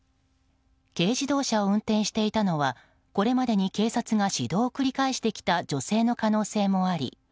軽自動車を運転していたのはこれまでに警察が指導を繰り返してきた女性の可能性もあり